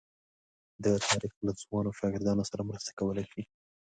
د تاریخ له ځوانو شاګردانو سره مرسته کولای شي.